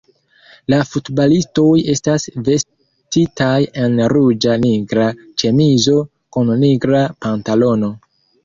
La futbalistoj estas vestitaj en ruĝa-nigra ĉemizo kun nigra pantalono.